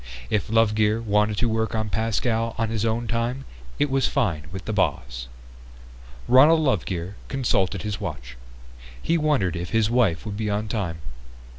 If Lovegear wanted to work on Pascal on his own time it was fine with the boss. Ronald Lovegear consulted his watch. He wondered if his wife would be on time.